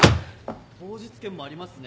当日券もありますね。